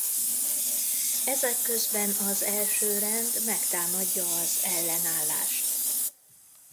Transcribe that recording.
Ezek közben az Első Rend megtámadja az Ellenállást.